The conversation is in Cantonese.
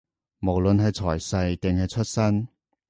無論係財勢，定係出身